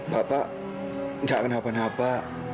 bapak gak kenapa napa